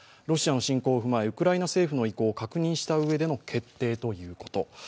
ロシアの侵攻を踏まえウクライナ政府の意向を確認したうえでの決定ということ。